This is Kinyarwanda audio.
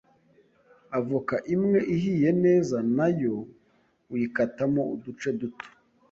avoka imwe ihiye neza na yo uyikatamo uduce duto,